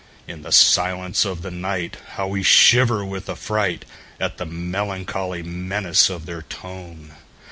In the silence of the nightHow we shiver with affrightAt the melancholy menace of their tone!